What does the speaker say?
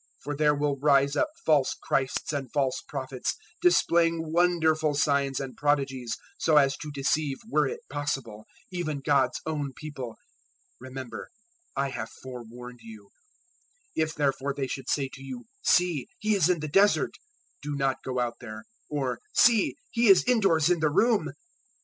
024:024 For there will rise up false Christs and false prophets, displaying wonderful signs and prodigies, so as to deceive, were it possible, even God's own People. 024:025 Remember, I have forewarned you. 024:026 If therefore they should say to you, `See, He is in the Desert!' do not go out there: or `See, He is indoors in the room!'